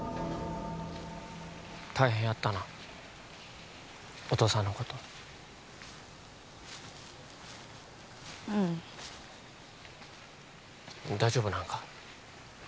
大変やったなお父さんのことうん大丈夫なんか？